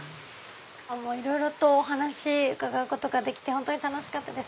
いろいろと伺うことができて本当に楽しかったです。